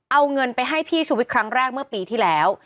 เอาเงินไปให้พี่ชูวิทย์ครั้งแรกเมื่อปีที่แล้ว